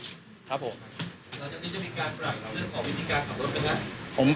แล้วอาจจะมีการปรับเรื่องของวิธีการขับรถเป็นไง